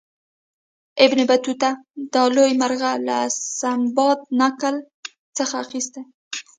ابن بطوطه دا لوی مرغه له سندباد نکل څخه اخیستی.